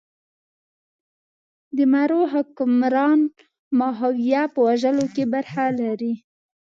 د مرو حکمران ماهویه په وژلو کې برخه لري.